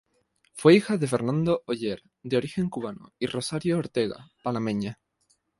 Fue hija de Fernando Oller, de origen cubano y Rosario Ortega, panameña.